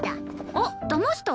あっだました？